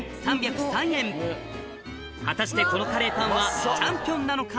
果たしてこのカレーパンはチャンピオンなのか？